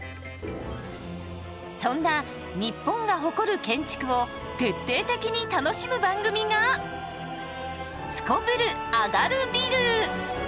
そんな日本が誇る建築を徹底的に楽しむ番組が「すこぶるアガるビル」。